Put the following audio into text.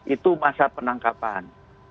itu masa penangkapan